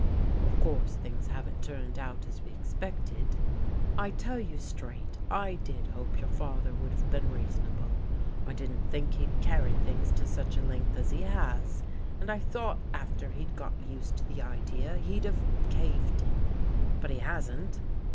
Of course things haven't turned out as we expected. I tell you straight I did hope your father would have been reasonable; I didn't think he'd carry things to such a length as he has, and I thought after he'd got used to the idea he'd have — caved in. But he hasn't.